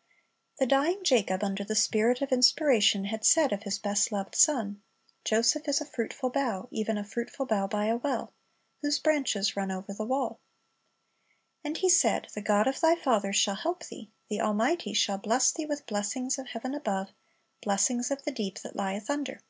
"^ The dying Jacob, under the Spirit of inspiration, had said of his best loved son, "Joseph is a fruitful bough, even a fruitful bough by a well; whose branches run over the wall." And he said, "The God of thy father" "shall help thee," the Almighty "shall bless thee with blessings of heaven above, blessings of the deep that lieth under."